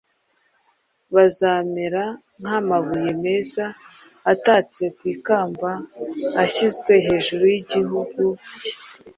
bazamera nk’amabuye meza atatse ku ikamba ashyizwe hejuru y’igihugu cye